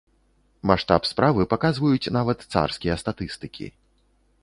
Маштаб справы паказваюць нават царскія статыстыкі.